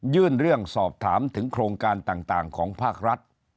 ยื่นเรื่องสอบถามถึงโครงการต่างของภาครัฐ